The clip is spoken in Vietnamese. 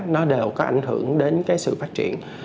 nó đều có ảnh hưởng đến sự phát triển